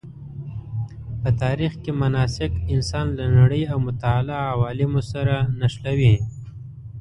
په تاریخ کې مناسک انسان له نړۍ او متعالي عوالمو سره نښلوي.